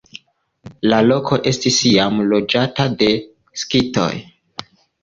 La loko estis jam loĝata de skitoj.